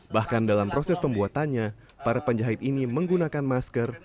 bahkan dalam proses pembuatannya para penjahit ini menggunakan masker